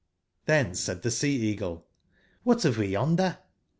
TTben said the Sea/eagle: ''CQbat have we yonder?"